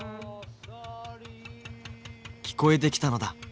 聞こえてきたのだ。